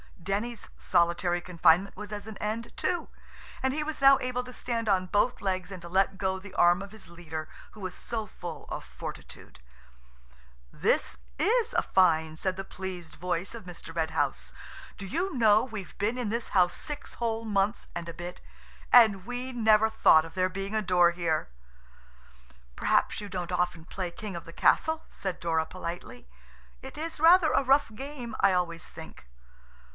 Denny's solitary confinement was at an end, too–and he was now able to stand on both legs and to let go the arm of his leader who was so full of fortitude. "This is a find," said the pleased voice of Mr. Red House "Do you know, we've been in this house six whole months and a bit, and we never thought of there being a door here." "Perhaps you don't often play 'King of the Castle,'" said Dora politely; "it is rather a rough game, I always think."